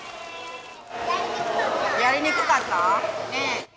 やりにくかった。